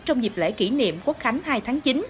trong dịp lễ kỷ niệm quốc khánh hai tháng chín